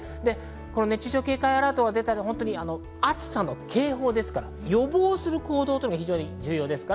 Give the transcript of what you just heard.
熱中症警戒アラートが出たら、暑さの警報ですから、予防する行動が非常に重要です。